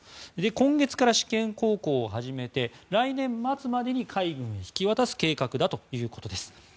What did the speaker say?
今月から試験航行を初めて来年末までに海軍へ引き渡す計画だということです。